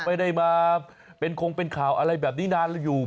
ไม่ได้มาเป็นคงเป็นข่าวอะไรแบบนี้นานแล้วอยู่